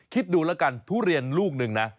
คิดดูแล้วกันทุเรียนลูกหนึ่งนะ